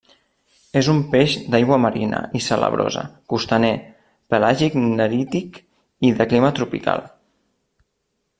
És un peix d'aigua marina i salabrosa, costaner, pelàgic-nerític i de clima tropical.